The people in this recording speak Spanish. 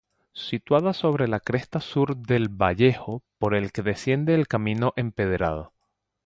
Situada sobre la cresta sur del vallejo por el que desciende el camino empedrado.